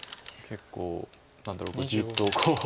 何だろうじっと。